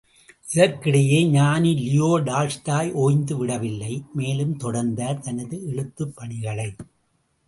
இதற்கிடையே ஞானி Leo Tolstoy ஓய்ந்து விடவில்லை, மேலும் தொடர்ந்தார் தனது எழுத்துப் பணிகளை.